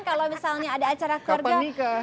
kalau misalnya ada acara keluarga